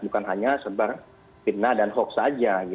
bukan hanya sebar fitnah dan hoax saja